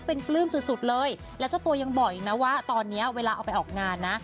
เป็นปลื้มสุดสุดเลยแล้วเจ้าตัวยังบอกอีกนะว่าตอนนี้เวลาเอาไปออกงานนะ